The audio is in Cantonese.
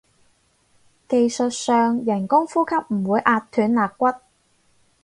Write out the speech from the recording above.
技術上人工呼吸唔會壓斷肋骨